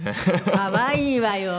可愛いわよ。